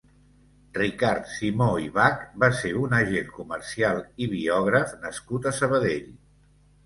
Ricard Simó i Bach va ser un agent comercial i biògraf nascut a Sabadell.